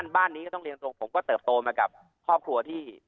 ผมก็เติบโตมากับครอบครัวที่